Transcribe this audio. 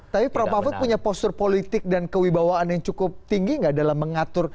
tapi pak pak vud punya postur politik dan kewibawaan yang cukup tinggi enggak dalam mengatur